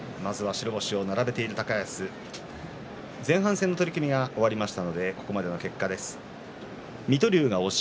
まずは白星を並べている高安前半戦の取組が終わりました。